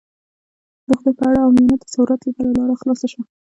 د خدای په اړه عامیانه تصوراتو لپاره لاره خلاصه شوه.